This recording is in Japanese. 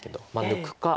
抜くか。